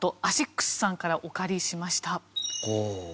アシックスさんからお借りしました。